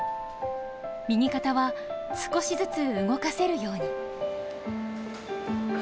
右肩は少しずつ動かせるように。